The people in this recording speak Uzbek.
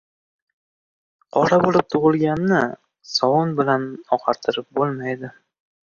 • Qora bo‘lib tug‘ilganni sovun bilan oqartirib bo‘lmaydi.